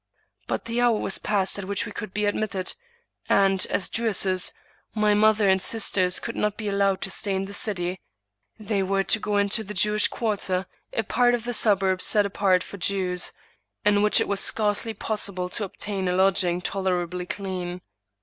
But the hour was past at which we could be admitted, and, as Jewesses,, my mother and sisters could not be allowed to stay in the city ; they were to go into the Jewish quarter, a part of the suburb set apart for Jews, in which it was scarcely possible to obtain a lodging tolerably clean.